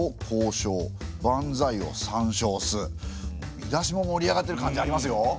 見出しも盛り上がってる感じありますよ。